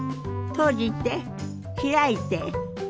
閉じて開いて。